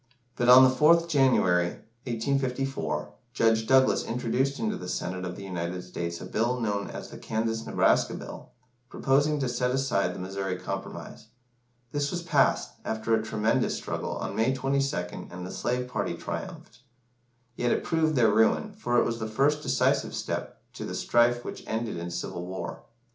But, on the 4th January, 1854, Judge Douglas introduced into the Senate of the United States a Bill known as the Kansas Nebraska Bill, proposing to set aside the Missouri Compromise. This was passed, after a tremendous struggle, on May 22nd and the slave party triumphed. Yet it proved their ruin, for it was the first decisive step to the strife which ended in civil war.